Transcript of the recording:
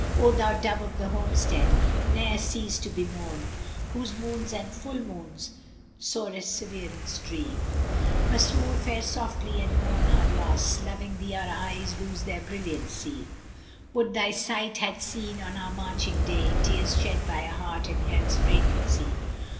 O thou Dove of the homestead, ne'er cease to bemoan * Whose moons and full moons[FN#353] sorest severance dree: Masrúr, fare softly and mourn our loss; * Loving thee our eyes lose their brilliancy: Would thy sight had seen, on our marching day, * Tears shed by a heart in Hell's flagrancy!